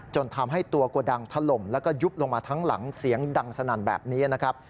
ทำให้ตัวโกดังถล่มแล้วก็ยุบลงมาทั้งหลังเสียงดังสนั่นแบบนี้นะครับ